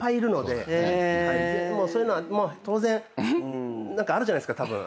そういうのは当然あるじゃないですかたぶん。